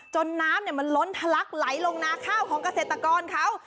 น้ำมันล้นทะลักไหลลงนาข้าวของเกษตรกรเขา